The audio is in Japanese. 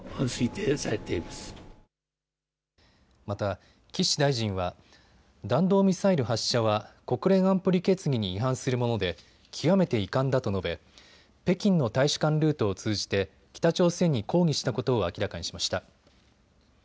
また、岸大臣は弾道ミサイル発射は国連安保理決議に違反するもので極めて遺憾だと述べ北京の大使館ルートを通じて北朝鮮に抗議したことを明らかにしました。